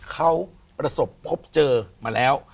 เขาประสบพบเจอมาแล้ว